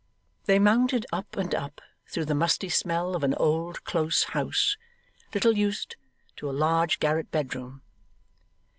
They mounted up and up, through the musty smell of an old close house, little used, to a large garret bed room.